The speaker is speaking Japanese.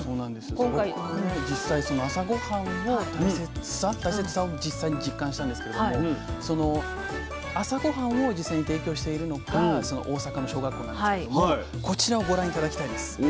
僕もね実際その朝ごはんの大切さを実際に実感したんですけれどもその朝ごはんを実際に提供しているのが大阪の小学校なんですけれどもこちらをご覧頂きたいんです。